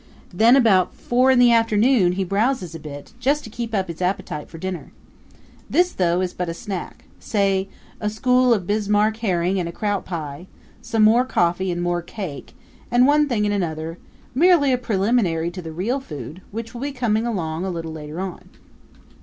Then about four in the afternoon he browses a bit, just to keep up his appetite for dinner. This, though, is but a snack say, a school of Bismarck herring and a kraut pie, some more coffee and more cake, and one thing and another merely a preliminary to the real food, which will be coming along a little later on.